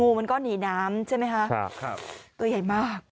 มันก็หนีน้ำใช่ไหมคะครับตัวใหญ่มาก